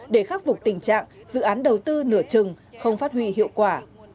để khắc phục tình trạng dự án đầu tư nửa trừng không phát huy hiệu quả